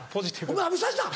お前浴びさしたん？